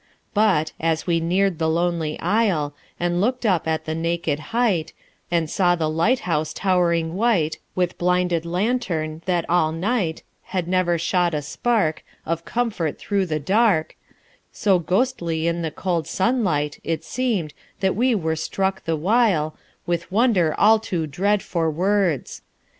But, as we neared the lonely Isle; And looked up at the naked height; And saw the lighthouse towering white, With blinded lantern, that all night Had never shot a spark Of comfort through the dark, So ghostly in the cold sunlight It seemed, that we were struck the while With wonder all too dread for words.